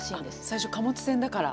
最初貨物船だから。